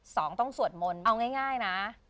ต้องสวดมนต์เอาง่ายนะ